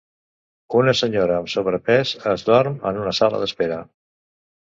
Una senyora amb sobrepès es dorm en una sala d'espera.